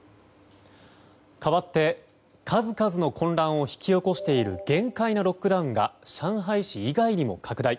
かわって数々の混乱を引き起こしている限界のロックダウンが上海市以外にも拡大。